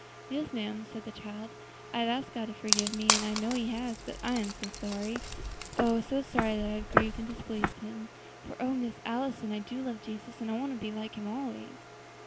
'" "Yes, ma'am," said the child; "I have asked Him to forgive me, and I know He has; but I am so sorry, oh! so sorry that I have grieved and displeased Him; for, O Miss Allison! I do love Jesus, and want to be like Him always."